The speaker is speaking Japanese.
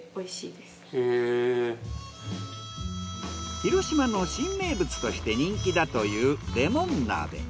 広島の新名物として人気だというレモン鍋。